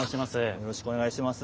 よろしくお願いします。